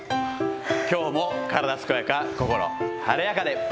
きょうも体健やか、心晴れやかで。